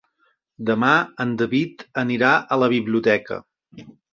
Demà en David anirà a la biblioteca.